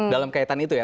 dalam kaitan itu ya